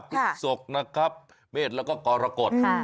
ปุ๊บสกนะครับเมศแล้วก็กรกต